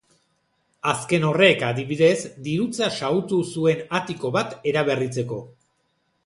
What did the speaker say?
Azken horrek, adibidez, dirutza xahutu zuen atiko bat eraberritzeko.